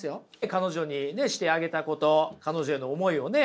彼女にねしてあげたこと彼女への思いをね